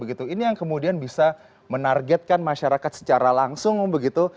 ini yang kemudian bisa menargetkan masyarakat secara langsung begitu